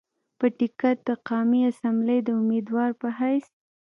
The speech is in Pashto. پۀ ټکټ د قامي اسمبلۍ د اميدوار پۀ حېثيت